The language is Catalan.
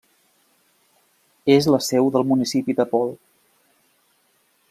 És la seu del municipi de Paul.